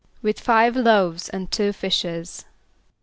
=With five loaves and two fishes.